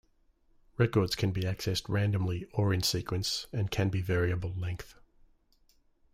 Records can be accessed randomly or in sequence and can be variable-length.